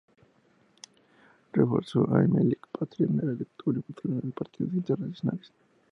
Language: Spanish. Reforzó a Emelec, Patria, Nueve de Octubre y Barcelona en partidos internacionales.